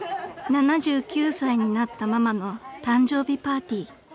［７９歳になったママの誕生日パーティー］